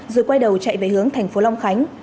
rồi quay đầu chạy về hướng tp long khánh